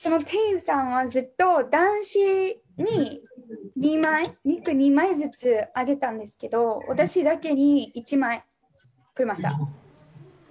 その店員さんは、ずっと男性に、肉を２枚ずつあげたんですけど私だけに１枚くれました。